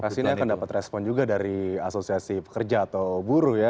pasti ini akan dapat respon juga dari asosiasi pekerja atau buruh ya